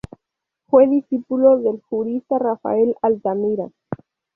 Fue discípulo del jurista Rafael Altamira.